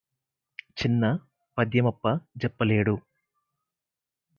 చిన్న పద్యమప్ప జెప్పలేడు